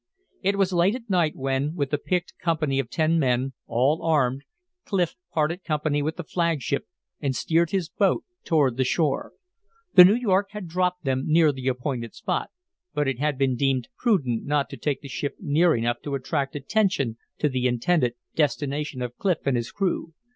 It was late at night when, with a picked company of ten men, all armed, Clif parted company with the flagship and steered his boat toward the shore. The New York had dropped them near the appointed spot, but it had been deemed prudent not to take the ship near enough to attract attention to the intended destination of Clif and his crew.